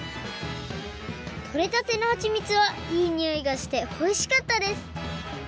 とれたてのはちみつはいいにおいがしておいしかったです！